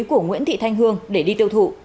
của nguyễn thị thanh hương để đi tiêu thụ